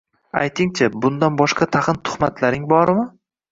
Aytinglar-chi, bundan boshqa tag‘in tuhmatlaring bormi